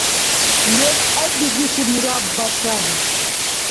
ЛебгӀеб бизиси мурабба саби.